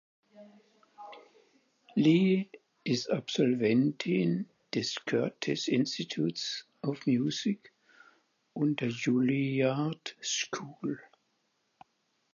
Lee ist Absolventin des Curtis Institute of Music und der Juilliard School.